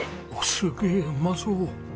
すげえうまそう！